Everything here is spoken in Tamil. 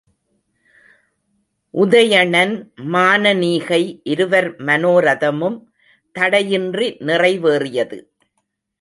உதயணன், மானனீகை இருவர் மனோரதமும் தடையின்றி நிறைவேறியது.